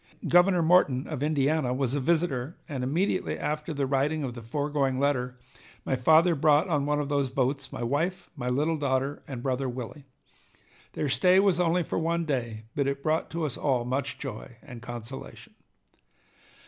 Governor Morton of Indiana was a visitor, and immediately after the writing of the foregoing letter my father brought on one of these boats my wife, my little daughter, and brother Willie. Their stay was only for one day, but it brought to us all much joy and consolation.